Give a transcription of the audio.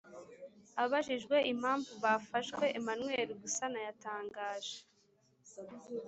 abajijwe impamvu bafashwe ,emmanuel gasana yatangaje